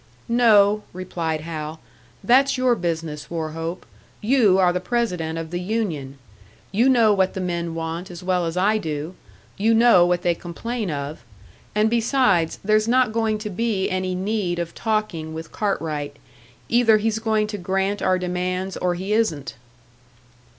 "No," replied Hal, "that's your business, Wauchope. You are the president of the union. You know what the men want, as well as I do; you know what they complain of. And besides, there's not going to be any need of talking with Cartwright. Either he's going to grant our demands or he isn't."